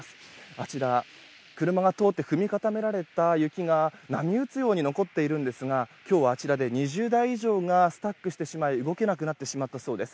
あちら、車が通って踏み固められた雪が波打つように残っているんですが今日はあちらで２０台以上がスタックしてしまい動けなくなったそうです。